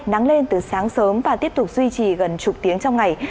nắng lên từ sáng sớm và tiếp tục duy trì gần chục tiếng trong ngày